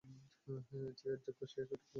যে এর যোগ্য সে সঠিক মুহূর্তে হাজির হবে।